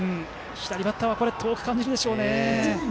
左バッターは遠く感じるでしょうね。